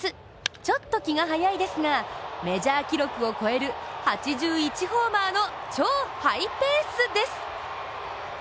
ちょっと気が早いですが、メジャー記録を超える８１ホーマーの超ハイペースです。